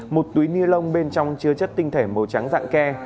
một túi ni lông bên trong chứa chất tinh thể màu trắng dạng ke